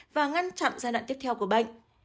và ngăn chặn giai đoạn tiếp theo của bệnh